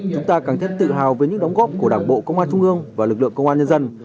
chúng ta càng thêm tự hào về những đóng góp của đảng bộ công an trung ương và lực lượng công an nhân dân